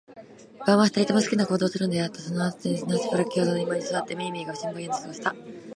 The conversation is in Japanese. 晩は、二人とも好きなような行動をするのではあったが、そのあとではなおしばらく共同の居間に坐って、めいめいが新聞を読んで過ごした。